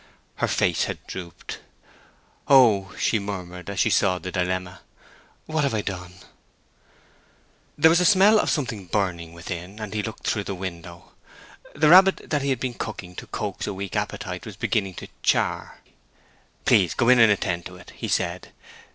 Her face had drooped. "Oh!" she murmured, as she saw the dilemma. "What have I done!" There was a smell of something burning within, and he looked through the window. The rabbit that he had been cooking to coax a weak appetite was beginning to char. "Please go in and attend to it," he said.